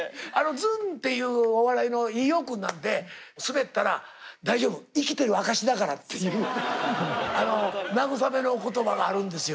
ずんっていうお笑いの飯尾君なんてスベったら「大丈夫生きてる証しだから」っていう慰めの言葉があるんですよ。